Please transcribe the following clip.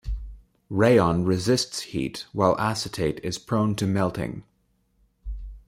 Rayon resists heat while acetate is prone to melting.